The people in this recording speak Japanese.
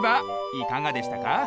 いかがでしたか？